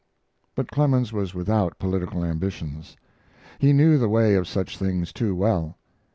But Clemens was without political ambitions. He knew the way of such things too well.